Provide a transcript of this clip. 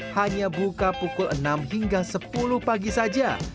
hanya buka pukul enam hingga sepuluh pagi saja